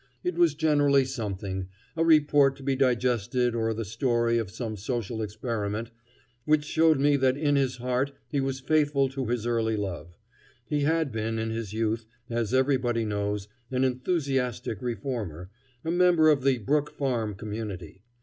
It was generally something a report to be digested or the story of some social experiment which showed me that in his heart he was faithful to his early love; he had been in his youth, as everybody knows, an enthusiastic reformer, a member of the Brook Farm Community.